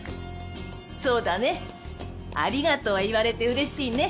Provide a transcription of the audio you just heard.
そうだね「ありがとう」は言われてうれしいね。